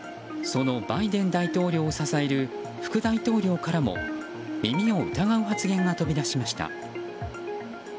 そのバイデン大統領を支える副大統領からも耳を疑う発言が飛び出しました。